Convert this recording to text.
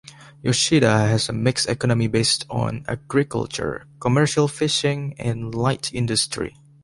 Yoshida has a mixed economy based on agriculture, commercial fishing and light industry.